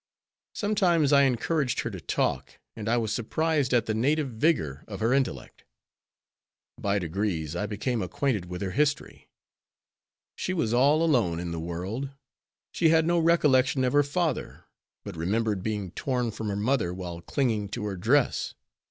Sometimes I encouraged her to talk, and I was surprised at the native vigor of her intellect. By degrees I became acquainted with her history. She was all alone in the world. She had no recollection of her father, but remembered being torn from her mother while clinging to her dress.